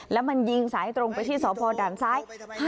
แล้วมันยิงสายตรงไปที่สพด่านซ้าย